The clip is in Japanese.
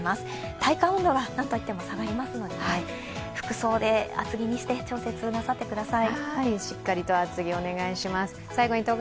体感温度がなんといっても下がりますので、服装で厚着にして調節なさってください。